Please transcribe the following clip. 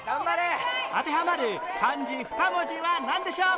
当てはまる漢字２文字はなんでしょう？